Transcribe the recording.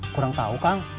kurang tau kang